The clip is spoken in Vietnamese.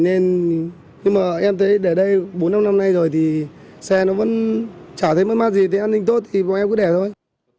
nhưng mà em thấy để đây bốn năm năm nay rồi thì xe nó vẫn chả thấy mất mát gì an ninh tốt thì em cứ để thôi